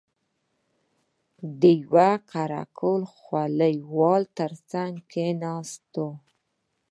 د يوه قره قلي خولۍ والا تر څنگ ناست و.